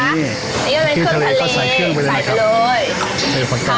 นี่นี่ก็เป็นเครื่องทะเลเขาใส่เครื่องไปเลยนะครับใส่เลยเขาใช้ไฟแรงตลอดเลยนะครับ